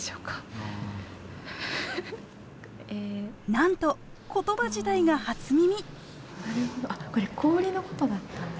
なんと言葉自体が初耳！